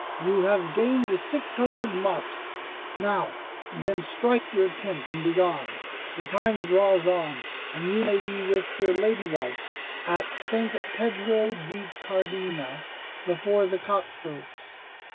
you have gained six hundred marks. Now then strike your tent and be gone. The time draws on, and you may be with your Lady Wife at St. Pedro de Cardena, before the cock crows."